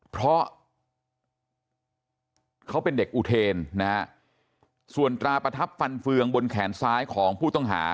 เพราะเขาเป็นเด็กอุเทนนะฮะส่วนตราประทับฟันเฟืองบนแขนซ้ายของผู้ต้องหา